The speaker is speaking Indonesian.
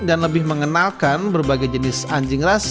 dan lebih mengenalkan berbagai jenis anjing ras